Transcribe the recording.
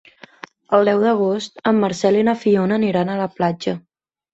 El deu d'agost en Marcel i na Fiona aniran a la platja.